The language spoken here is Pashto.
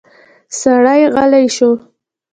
سړی غلی شو.